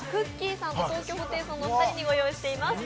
さんと東京ホテイソンのお二人にご用意しています。